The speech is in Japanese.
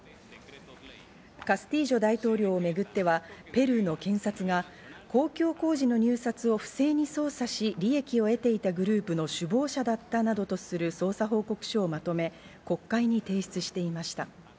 カスティージョ大統領をめぐっては、ペルーの検察が公共工事の入札を不正に操作し、利益を得ていたグループの首謀者だったなどとする、捜査報告書をまとめ、国会に提出していました。